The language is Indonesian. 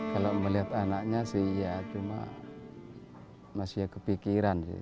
kalau melihat anaknya sih ya cuma masih ya kepikiran sih